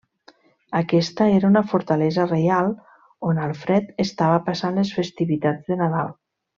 Aquesta era una fortalesa reial on Alfred estava passant les festivitats de Nadal.